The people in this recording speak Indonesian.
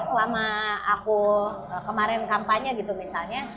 selama aku kemarin kampanye gitu misalnya